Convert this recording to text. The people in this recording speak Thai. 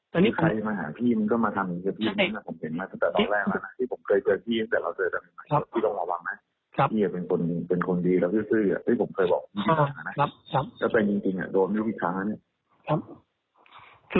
แล้วคนใครมาหาพี่มันก็มาทำกับพี่กันผมเห็นมาตั้งแต่อันแรกพี่ผมเ